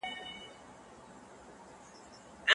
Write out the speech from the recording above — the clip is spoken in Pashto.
مونږ بايد د خپلو خبرو په پايلو فکر وکړو.